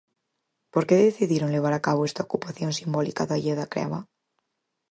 Por que decidiron levar a cabo esta ocupación "simbólica" da Illa da Creba?